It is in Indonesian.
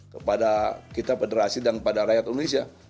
kepada kita federasi dan pada rakyat indonesia